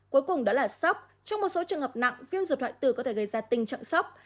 cuối cùng đó là sốc trong một số trường hợp nặng viêm ruột hoại tử có thể gây ra tình trạng sốc